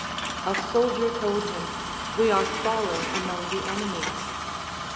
A soldier told him, λΥβ are fallen among the ene mies.